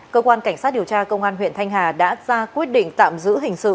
cơ quan cảnh sát điều tra công an huyện thanh hà đã ra quyết định tạm giữ hình sự